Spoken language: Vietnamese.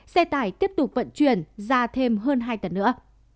xe tải tiếp tục vận chuyển ra thêm hơn hai tấn nữa